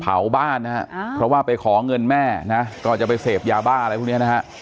เผาบ้านนะฮะเพราะว่าไปขอเงินแม่นะก็จะไปเสพยาบ้าอะไรพวกนี้นะฮะ